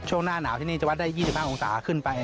ช่วงหน้าหนาวที่นี่จะวัดได้ยี่สิบห้างองศาขึ้นไป